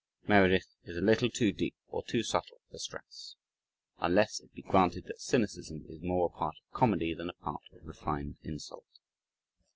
Meredith is a little too deep or too subtle for Strauss unless it be granted that cynicism is more a part of comedy than a part of refined insult.